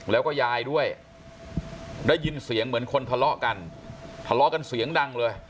แล้วก็ยายด้วยได้ยินเสียงเหมือนคนทะเลาะกันทะเลาะกันเสียงดังเลย